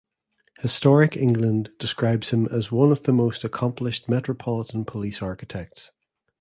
Historic England describes him as "one of the most accomplished Metropolitan Police architects".